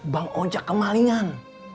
bang ocak kemalingan